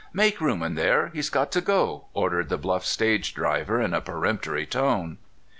'* Make room in there — he's got to go," or dered the bluff stage driver in a peremptory tone.